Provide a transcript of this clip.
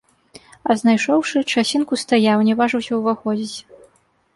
А знайшоўшы, часінку стаяў, не важыўся ўваходзіць.